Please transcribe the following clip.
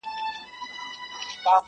کلي نوې څېره خپلوي ورو,